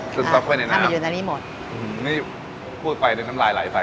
ค่ะถึงซับไปในน้ำมันอยู่ในนี้หมดหือหือนี่พวดไปในน้ำไลยไหลไป